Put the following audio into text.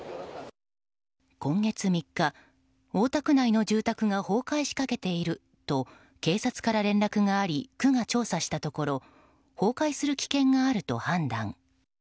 今月３日、大田区内の住宅が崩壊しかけていると警察から連絡があり区が調査したところ崩壊する危険があると判断。